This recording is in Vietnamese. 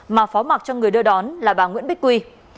mà phó mặt cho người đưa đón là bà nguyễn bích quy